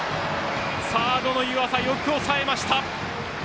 サードの湯浅よく押さえました！